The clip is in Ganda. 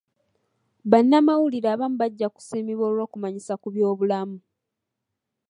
Bannamawulire abamu bajja kusiimibwa olw'okumanyisa ku byobulamu.